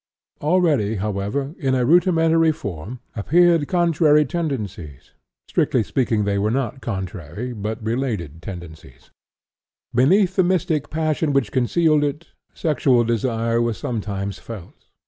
"Already, however, in a rudimentary form appeared contrary tendencies [strictly speaking they were not contrary, but related, tendencies]. Beneath the mystic passion which concealed it sexual desire was sometimes felt.